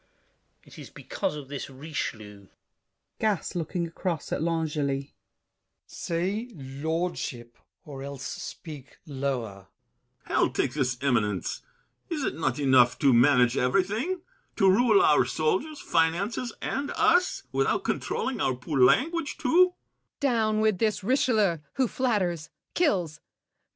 It is because this Richelieu— GASSÉ (looking across at L'Angely). Say, lordship, Or else speak lower. BRICHANTEAU. Hell take this eminence! Is't not enough to manage everything? To rule our soldiers, finances, and us, Without controlling our poor language too?